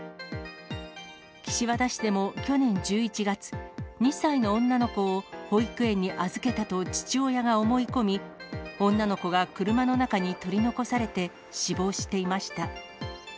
岸和田市でも去年１１月、２歳の女の子を保育園に預けたと父親が思い込み、女の子が車の中に取り残されて、死亡していました。